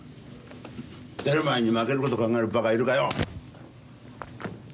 やる前に負けることを考える馬鹿がいるかよ！